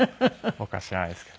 僕は知らないですけど。